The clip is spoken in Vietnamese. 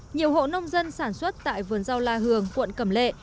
nhiều hộ nông dân sản xuất tại vườn rau la hường quận cẩm lệ